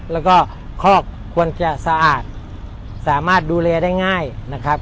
แล้วก็คอกควรจะสะอาดสามารถดูแลได้ง่ายนะครับ